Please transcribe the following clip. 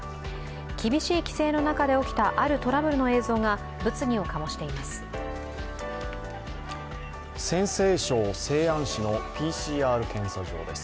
厳しい規制の中で起きたあるトラブルの映像が物議を醸しています。